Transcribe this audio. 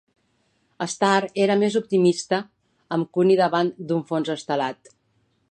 "Star" era més optimista, amb Kumi davant d'un fons estelat.